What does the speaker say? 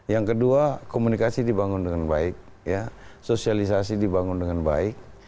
yang kedua komunikasi dibangun dengan baik sosialisasi dibangun dengan baik